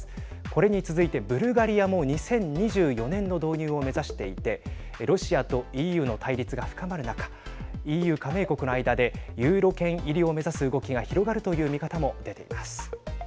これに続いて、ブルガリアも２０２４年の導入を目指していてロシアとＥＵの対立が深まる中ＥＵ加盟国の間でユーロ圏入りを目指す動きが広がるという見方も出ています。